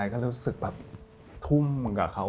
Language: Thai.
ก็รู้สึกแบบทุ่มกับเขา